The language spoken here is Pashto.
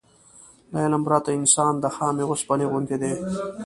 له علم پرته انسان د خامې اوسپنې غوندې دی.